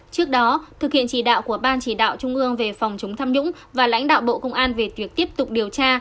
trước đó thực hiện chỉ đạo của ban chỉ đạo trung ương về phòng chúng thăm nhũng và lãnh đạo bộ công an về tuyệt tiếp tục điều tra